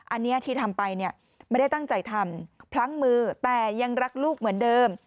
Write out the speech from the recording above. อันนี้ที่ทำไปเนี่ยไม่ได้ตั้งใจทำพลั้งมือแต่ยังรักลูกเหมือนเดิม